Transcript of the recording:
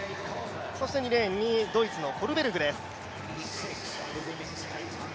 そして２レーンに、ドイツのコルベルグです。